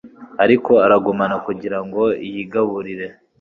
Ariko aragumana kugira ngo yigaburire